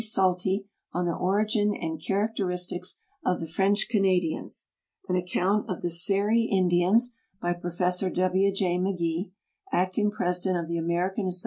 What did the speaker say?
Suite on tlie Origin and Charac teristics of tbe French Canadians, an account of the Seri Indians, by Prof. W J McGee, Acting President of the American As.